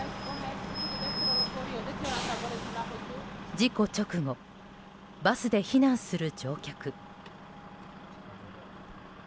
事故直後、バスで避難する乗客。